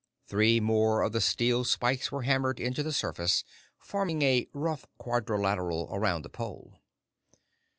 Three more of the steel spikes were hammered into the surface, forming a rough quadrilateral around the Pole.